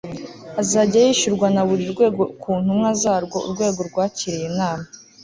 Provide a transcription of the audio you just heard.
azajya yishyurwa na buri Rwego ku ntumwa zarwo Urwego rwakiriye inama